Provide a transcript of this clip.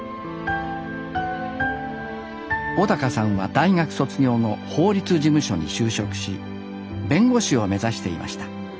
小さんは大学卒業後法律事務所に就職し弁護士を目指していました。